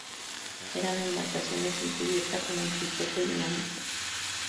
Eran embarcaciones sin cubierta, con un trinquete y una mesana.